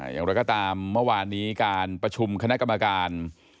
อย่างไรก็ตามเมื่อวานนี้การประชุมคณะกรรมการ